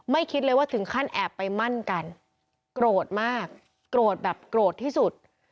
คิดเลยว่าถึงขั้นแอบไปมั่นกันโกรธมากโกรธแบบโกรธที่สุด